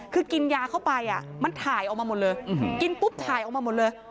คือกินยาเข้าไปมันถ่ายออกมาหมดเลยกินปุ๊บถ่ายออกมาหมดเลย